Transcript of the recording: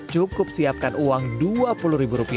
cukup siapkan uang rp dua puluh